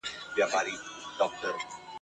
دا ایمل ایمل ایمل پلرونه ..